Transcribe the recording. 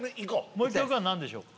もう１曲は何でしょうか？